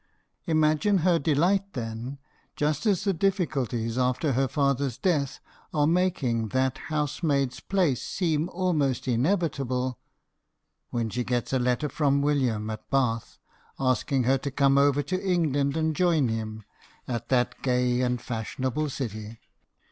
Imagine her delight WILLIAM HERSCHEL, BANDSMAN. 99 then, just as the difficulties after her father's death are making that housemaid's place seem almost inevitable, when she gets a letter from William at Bath, asking her to come over to England and join him at that gay and fashion able city.